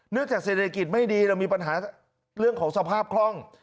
จากเศรษฐกิจไม่ดีเรามีปัญหาเรื่องของสภาพคล่อง